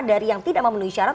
dari yang tidak memenuhi syarat